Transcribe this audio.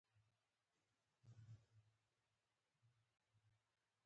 مګر اوس د انتقام وخت نه دى.